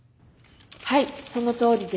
はいそのとおりです。